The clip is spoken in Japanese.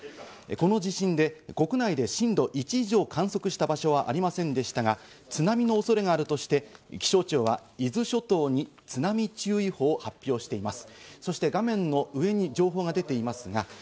この地震で、国内で震度１以上を観測した場所はありませんでしたが、津波の恐れがあるとして、気象庁は伊豆諸島に津波注意報を発表しています。